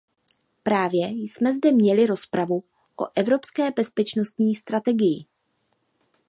Právě jsme zde měli rozpravu o evropské bezpečnostní strategii.